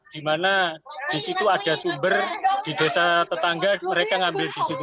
di mana di situ ada sumber di desa tetangga mereka ngambil di situ